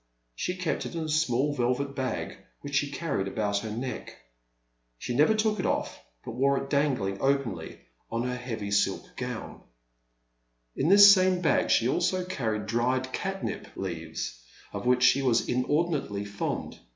She kept it in a small velvet bag, which she carried about her neck. She never took it off", but wore it dangling openly on her heavy silk gown. The Man at the Next Table. 349 In this same bag she also carried dried catnip leaves of which she was inordinately fond.